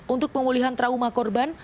untuk pemulihan trauma korban